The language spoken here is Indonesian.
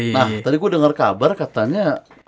nah tadi gue dengar kabar katanya